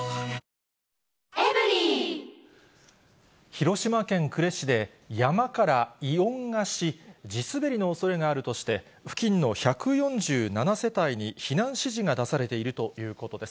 広島県呉市で、山から異音がし、地滑りのおそれがあるとして、付近の１４７世帯に避難指示が出されているということです。